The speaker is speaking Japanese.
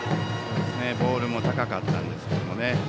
ボールも高かったんですけどね。